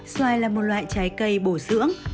xoài là một loại trái cây bổ dưỡng